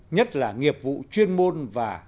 nhất là nghiệp vụ chuyên môn và